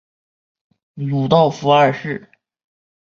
鲁道夫二世。